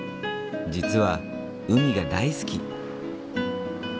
実は海が大好き。